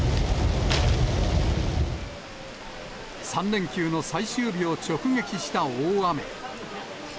３連休の最終日を直撃した大雨。